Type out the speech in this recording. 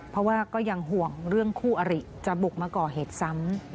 เพราะว่าก็ยังห่วงเรื่องคู่อริจะบุกมาก่อเหตุซ้ำ